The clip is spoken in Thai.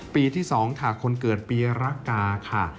ปีที่๒ค่ะคนเกิดปีรกาค่ะ